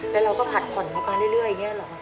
แล้วเราก็ผัดผ่อนเขามาเรื่อยอย่างนี้หรอ